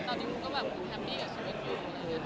ตอนนี้ก็แบบคุณแฮปปี้กับฉันเป็นคน